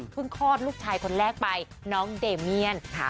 คลอดลูกชายคนแรกไปน้องเดเมียน